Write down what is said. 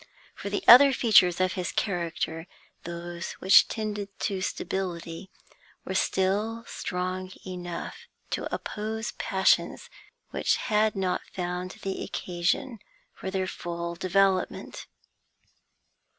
For the other features of his character, those which tended to stability, were still strong enough to oppose passions which had not found the occasion for their full development.